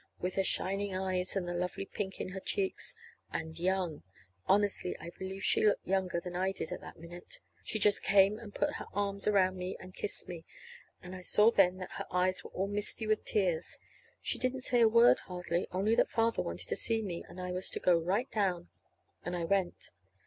with her shining eyes and the lovely pink in her cheeks. And young! Honestly, I believe she looked younger than I did that minute. She just came and put her arms around me and kissed me; and I saw then that her eyes were all misty with tears. She didn't say a word, hardly, only that Father wanted to see me, and I was to go right down. And I went.